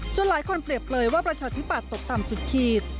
หลายคนเปรียบเปลยว่าประชาธิปัตย์ตกต่ำสุดขีด